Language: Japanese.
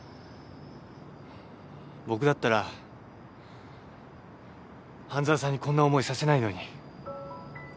僕だったら半沢さんにこんな思いさせないのに。